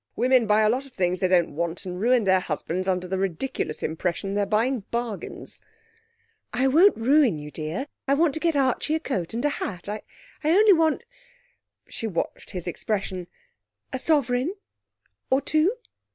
Women buy a lot of things they don't want, and ruin their husbands under the ridiculous impression they're buying bargains.' 'I won't ruin you, dear. I want to get Archie a coat and a hat. I only want' she watched his expression ' a sovereign or two.'